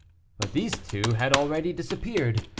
But these two had already disappeared.